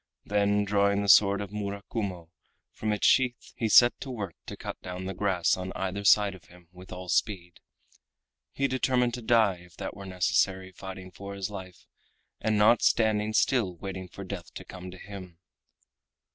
Then drawing the sword of Murakumo from its sheath he set to work to cut down the grass on either side of him with all speed. He determined to die, if that were necessary, fighting for his life and not standing still waiting for death to come to him.